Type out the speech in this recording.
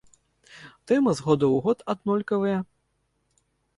Тэмы з года ў год аднолькавыя.